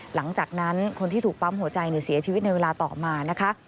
หลังจากนั้นคนที่ถูกปั๊มหัวใจเสียชีวิตในเวลาต่อมานะคะ